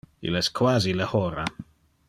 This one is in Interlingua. Il es quasi le hora.